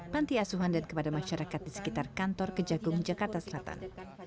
panti asuhan dan kepada masyarakat di sekitar kantor kejagung jakarta selatan